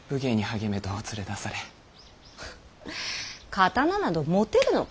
刀など持てるのか。